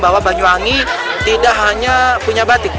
bahwa banyuwangi tidak hanya punya batik